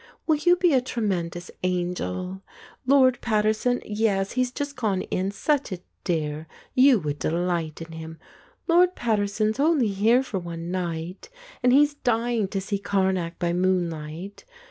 "Will you be a tre mendous angel ? Lord Paterson — yes, he's just gone in, such a dear, you would delight in him — Lord Paterson 's only here for one night, and he's dying to see Karnak by moonlight.